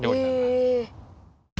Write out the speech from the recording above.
へえ！